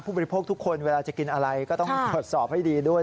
บริโภคทุกคนเวลาจะกินอะไรก็ต้องตรวจสอบให้ดีด้วย